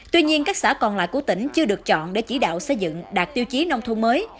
tuy nhiên các xã còn lại của tỉnh chưa được chọn để chỉ đạo xây dựng đạt tiêu chí nông thôn mới